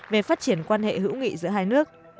về phát triển quan hệ hữu nghị giữa hai nước